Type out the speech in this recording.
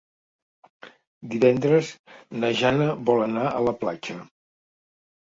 Divendres na Jana vol anar a la platja.